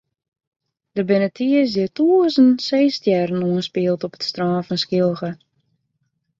Der binne tiisdei tûzenen seestjerren oanspield op it strân fan Skylge.